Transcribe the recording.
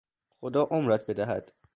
خدا عمرت بدهد